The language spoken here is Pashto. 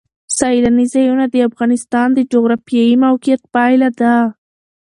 سیلانی ځایونه د افغانستان د جغرافیایي موقیعت پایله ده.